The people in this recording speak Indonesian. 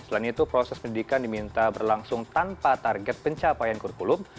selain itu proses pendidikan diminta berlangsung tanpa target pencapaian kurikulum